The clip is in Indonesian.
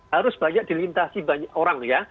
harus banyak dilintasi banyak orang ya